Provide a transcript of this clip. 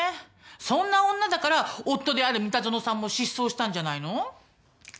そんな女だから夫である三田園さんも失踪したんじゃないの？